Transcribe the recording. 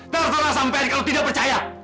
terserah sampean kalau tidak percaya